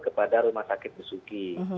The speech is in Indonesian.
kepada rumah sakit besuki